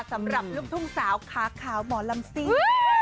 กับลูกทุ่งสาวคาขาวหมอลำซี